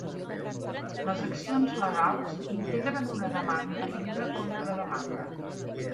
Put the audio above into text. Les accions legals integren una demanda i una contrademanda.